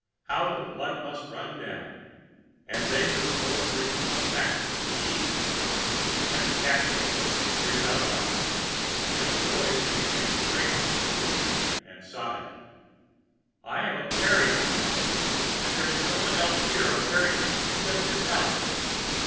How the blood must run down. And then you're full of brimstone matches. He! he!" and the Cat made of worsted grinned out loud. The Boy leaning against a greyhound spoke again, and sighed: "I am of Parian, you know, and there is no one else here of Parian except yourself."